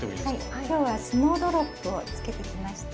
はいきょうは「スノードロップ」をつけてきました。